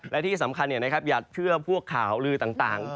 และที่สำคัญอย่าเชื่อพวกข่าวลือต่าง